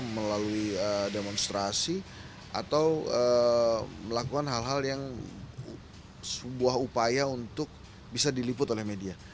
melalui demonstrasi atau melakukan hal hal yang sebuah upaya untuk bisa diliput oleh media